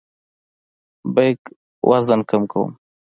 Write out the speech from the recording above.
بیک وزن کوم.